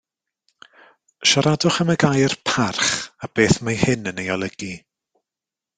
Siaradwch am y gair parch a beth mae hyn yn ei olygu